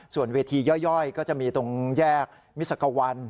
ส่วนเวทีย่อยก็จะมีตรงแยกมิสักวัน